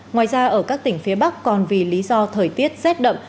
ngoài ra ở các tỉnh phía bắc còn vì lý do thời tiết rét đậm